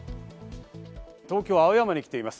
東京・青山に来ています。